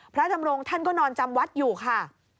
พระดำรงท่านก็นอนจำวัดอยู่ค่ะ